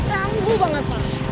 tangguh banget pa